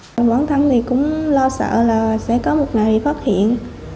bản thân thì cũng lo sợ là sẽ có một nạn bị phát hiện